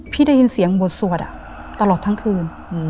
พี่ได้ยินเสียงบทสวดอ่ะตลอดทั้งคืนอืม